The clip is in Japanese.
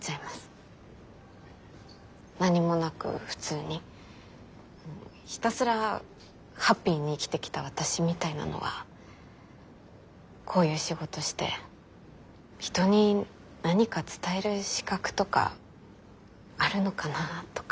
何もなく普通にひたすらハッピーに生きてきた私みたいなのはこういう仕事して人に何か伝える資格とかあるのかなとか。